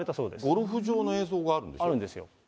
ゴルフ場の映像があるんですか？